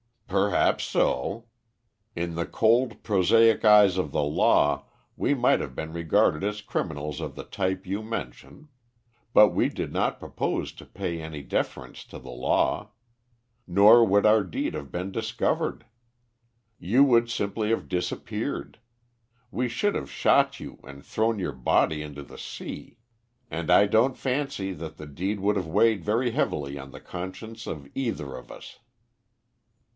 "Perhaps so. In the cold, prosaic eyes of the law we might have been regarded as criminals of the type you mention; but we did not propose to pay any deference to the law. Nor would our deed have been discovered. You would simply have disappeared; we should have shot you and thrown your body into the sea. And I don't fancy that the deed would have weighed very heavily on the conscience of either of us."